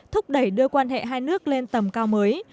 thúc đẩy đưa quan hệ hai nước lên tầm cao mới